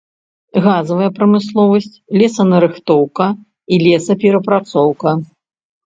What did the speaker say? Газавая прамысловасць, лесанарыхтоўка і лесаперапрацоўка.